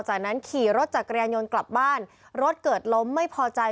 จากนั้นขี่รถจักรยานยนต์กลับบ้านรถเกิดล้มไม่พอใจ